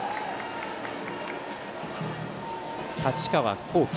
太刀川幸輝。